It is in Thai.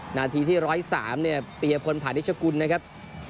หน้าทีที่๑๐๓เนี่ยเปลี่ยนคนผ่านที่ชกุลนะครับ